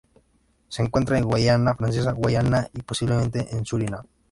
Se encuentra en Guayana Francesa, Guayana y posiblemente en Surinam.